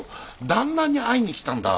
旦那に会いに来たんだ。